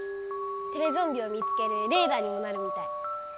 テレゾンビを見つけるレーダーにもなるみたい。